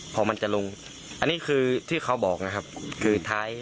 พอมันจะลงอันนี้คือที่เขาบอกนะครับคือท้าย